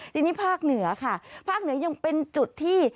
ทีนี้ภาคเหนือค่ะภาคเหนือยังเป็นจุดที่